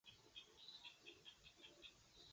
高州会馆的历史年代为清代。